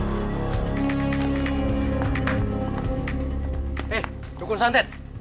eh cukun santet